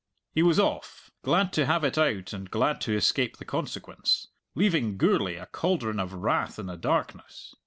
He was off, glad to have it out and glad to escape the consequence, leaving Gourlay a cauldron of wrath in the darkness.